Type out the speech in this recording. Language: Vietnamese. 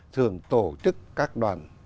thường tổ chức các đoàn